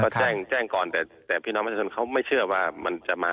ก็แจ้งก่อนแต่พี่น้องมันไม่เชื่อว่ามันจะมา